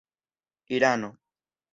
irano